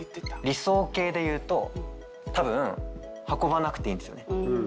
理想形で言うと多分運ばなくていいんですよね。